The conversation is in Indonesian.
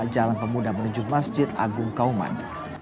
jalan pemuda menuju masjid agung kauman